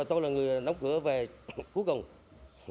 tôi là người đóng cửa về cuối cùng